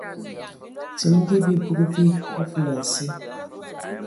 Timigi bibug bi a fulansi.